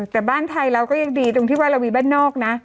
แต่บ้านไทยเราก็ยังดีตรงที่ว่าเรามีบ้านนอกนะ